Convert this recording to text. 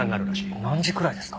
何時くらいですか？